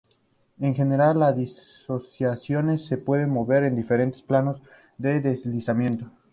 En general las dislocaciones se pueden mover en diferentes planos de deslizamiento.